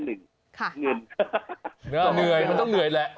เหนื่อยมันต้องเหนื่อยแหละ